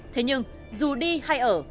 thế nhưng dù đi hay ở